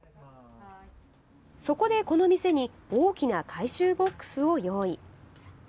そこでこの店に、大きな回収ボックスを用意。